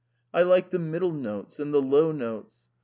I like the middle notes and the low notes.